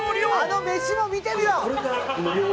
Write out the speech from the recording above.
あの飯も見てみろ！